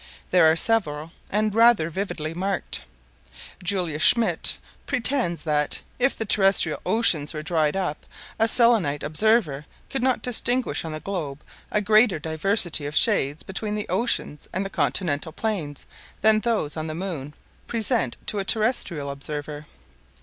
There are several, and rather vividly marked. Julius Schmidt pretends that, if the terrestrial oceans were dried up, a Selenite observer could not distinguish on the globe a greater diversity of shades between the oceans and the continental plains than those on the moon present to a terrestrial observer.